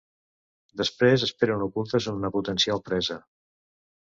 Després esperen, ocultes, una potencial presa.